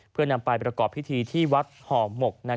เพื่อนำไปประกอบพิธีที่วัดห่อหมก